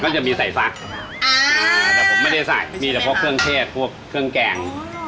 จะมีใส่ซักอ่าแต่ผมไม่ได้ใส่มีแต่เพราะเครื่องเทศพวกเครื่องแกง